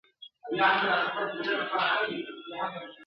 داسي بد ږغ یې هیڅ نه وو اورېدلی !.